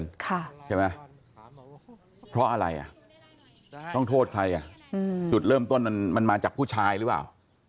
นะคะเพราะอะไรต้องโทษใครจุดเริ่มต้นนันมาจากผู้ชายรึว่า